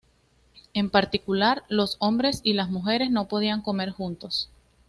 En particular, los hombres y las mujeres no podían comer juntos.